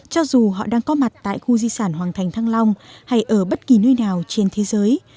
cho dù họ đang có mặt tại khu di sản hoàng thành thăng long hay ở bất kỳ nơi nào trên thế giới